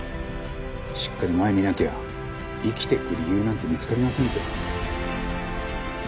しっかり前見なきゃ生きていく理由なんて見つかりませんって。